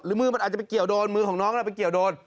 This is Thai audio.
หรือมือมันอาจจะไปเกี่ยวโดนมือของน้องมันอาจจะไปเกี่ยวโดน